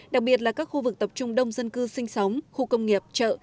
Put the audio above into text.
đặc biệt là các khu vực tập trung đông dân cư sinh sống khu công nghiệp chợ